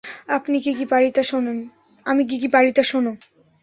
আমি কি কি পারি তা শোনো।